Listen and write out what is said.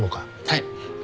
はい